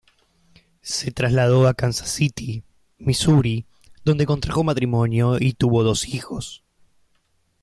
Se trasladó a Kansas City, Missouri, donde contrajo matrimonio y tuvo dos hijos.